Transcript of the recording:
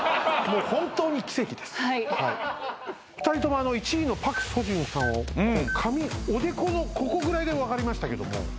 ２人とも１位のパク・ソジュンさんをおでこのここぐらいで分かりましたけども。